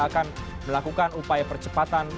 akan melakukan upaya percepatan